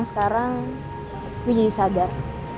sekarang gue jadi sadar